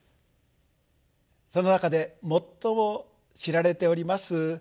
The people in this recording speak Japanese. その中で最も知られております